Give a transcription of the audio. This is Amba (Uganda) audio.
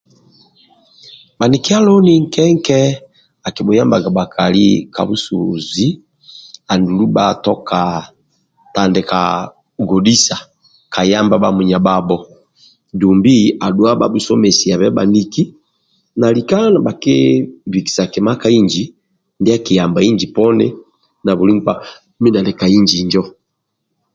Bhanikia loni nke nke akibhuyambaga bhakali ka busubuzi andulu bhatoka tandika godhisa ka yamba bhamunyabhabho dumbi adhuwa bhabhusomesiabe bhaniki na lika nibhakibikisabe kima ka inji ndia akiyamba inji poni na buli nkpa mindia ali ka inj injo